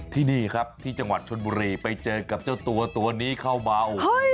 ที่นี่ครับที่จังหวัดชนบุรีไปเจอกับเจ้าตัวตัวนี้เข้าเบา